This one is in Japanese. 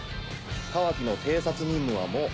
カワキの偵察任務はもう。